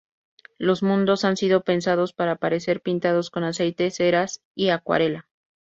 Los mundos han sido pensados para parecer pintados con aceite, ceras y acuarela.